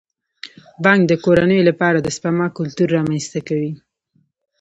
بانک د کورنیو لپاره د سپما کلتور رامنځته کوي.